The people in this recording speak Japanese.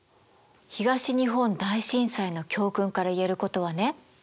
東日本大震災の教訓から言えることはね